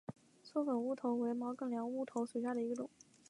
缩梗乌头为毛茛科乌头属下的一个种。